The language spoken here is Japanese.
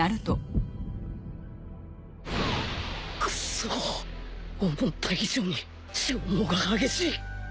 クソッ思った以上に消耗が激しい！